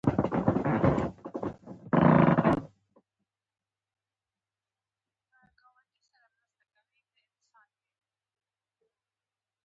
خوب د غصې ضد دوا ده